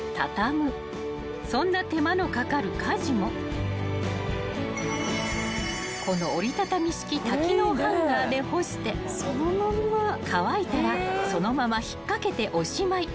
［そんな手間のかかる家事もこの折り畳み式多機能ハンガーで干して乾いたらそのまま引っ掛けておしまい］